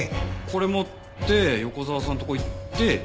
これ持って横沢さんとこ行って殺害した？